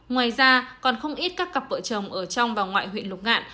ngoài ra còn không ít các cặp vợ chồng ở trong và ngoài huyện lục ngạn